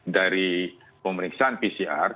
dari pemeriksaan pcr